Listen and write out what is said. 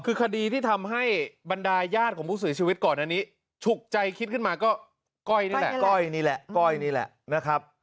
คือคดีที่ทำให้บรรดายญาติของผู้ศีลชีวิตก่อนอันนี้ฉุกใจคิดขึ้นมาก็ก้อยนี่แหละ